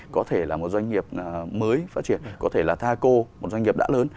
có thể là một doanh nghiệp mới phát triển có thể là taco một doanh nghiệp đã lớn